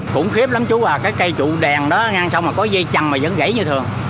khủng khiếp lắm chú là cái cây trụ đèn đó ngăn xong mà có dây chằn mà vẫn gãy như thường